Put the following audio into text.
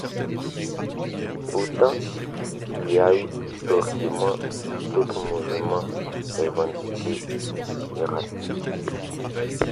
Pourtant, il y a eu historiquement d'autres mouvements revendiqués pirates.